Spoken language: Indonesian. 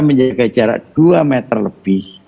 menjaga jarak dua meter lebih